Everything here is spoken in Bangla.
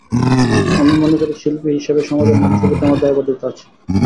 আমি মনে করি, শিল্পী হিসেবে সমাজের মানুষের প্রতি আমার দায়বদ্ধতা আছে।